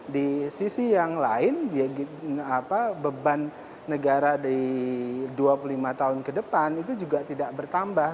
di sisi yang lain beban negara di dua puluh lima tahun ke depan itu juga tidak bertambah